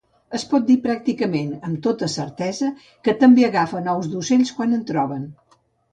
Es pot dir pràcticament amb tota certesa que també agafen ous d'ocells quan en troben.